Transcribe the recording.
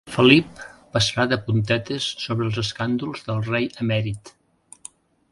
Felip passarà de puntetes sobre els escàndols del rei emèrit.